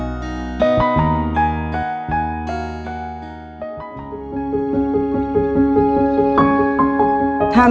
หนูก็เคยคุยกับน้องสาวว่า